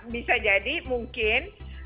bisa jadi mungkin